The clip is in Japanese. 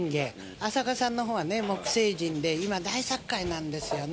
浅香さんのほうは木星人で今、大殺界なんですよね。